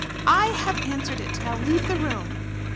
"I have answered it. Now leave the room."